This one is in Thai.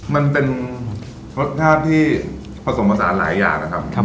มันเป็นรสชาติที่ผสมผสานหลายอย่างนะครับ